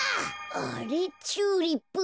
あれっチューリップ。